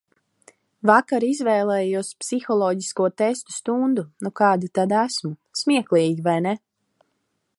Vakar izvēlējos psiholoģisko testu stundu, nu kāda tad esmu. Smieklīgi, vai ne?